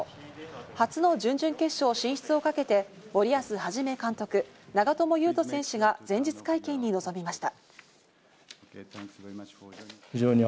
初の準々決勝進出をかけて森保一監督、長友佑都選手が前日会見に臨みました。